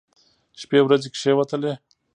شپې ورځې کښېوتلې.